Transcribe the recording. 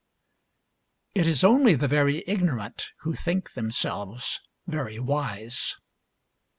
It is only the very ignorant who think themselves very wise.